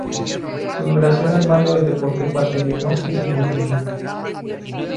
Su duración al mando del deporte ecuatoriano es indefinido.